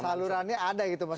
salurannya ada gitu mas